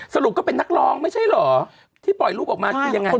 ก็เป็นนักร้องไม่ใช่เหรอที่ปล่อยลูกออกมาคือยังไง